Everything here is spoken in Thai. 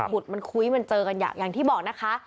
ขุดมันคุยมันเจอกันอย่างที่บอกนะคะ